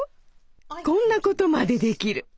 こんなことまでできる！